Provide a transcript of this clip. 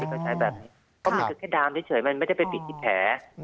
ก็ใช้แบบนี้เพราะมันคือแค่ดามเฉยมันไม่ได้ไปปิดที่แผล